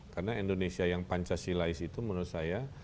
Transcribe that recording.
karena indonesia yang pancasila is itu menurut saya